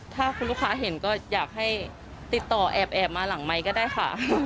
ถ้าคุณลูกค้าเห็นก็อยากให้ติดต่อแอบมาหลังไมค์ก็ได้ค่ะ